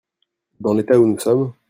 Dans l'état où nous sommes.